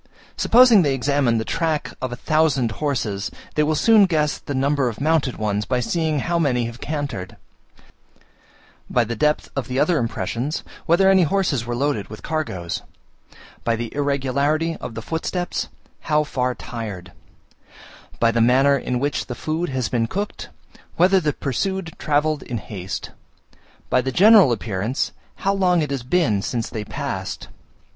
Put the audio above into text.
Supposing they examine the track of a thousand horses, they will soon guess the number of mounted ones by seeing how many have cantered; by the depth of the other impressions, whether any horses were loaded with cargoes; by the irregularity of the footsteps, how far tired; by the manner in which the food has been cooked, whether the pursued travelled in haste; by the general appearance, how long it has been since they passed.